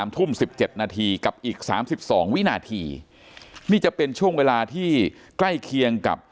ทุ่ม๑๗นาทีกับอีก๓๒วินาทีนี่จะเป็นช่วงเวลาที่ใกล้เคียงกับ